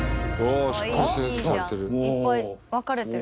いっぱい分かれてる。